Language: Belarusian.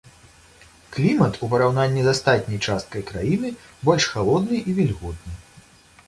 Клімат у параўнанні з астатняй часткай краіны больш халодны і вільготны.